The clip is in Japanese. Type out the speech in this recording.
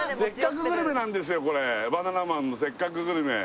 これ「バナナマンのせっかくグルメ！！」